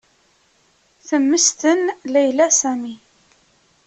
Temmesten Layla Sami.